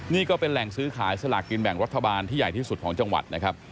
นี่ก็เป็นแหล่งซื้อขายสลากกินแบ่งรัฐบาลที่ใหญ่ที่สุดของจังหวัดนะครับ